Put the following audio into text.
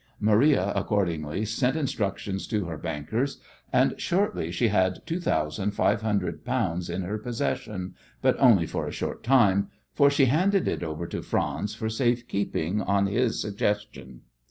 Maria accordingly sent instructions to her bankers, and shortly she had two thousand five hundred pounds in her possession, but only for a short time, for she handed it over to "Franz" for safe keeping on his suggestion.